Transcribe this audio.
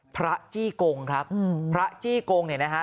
จี้กงครับพระจี้กงเนี่ยนะฮะ